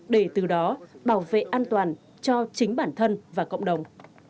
để từ đó bảo vệ an toàn cho chính bản thân và cộng đồng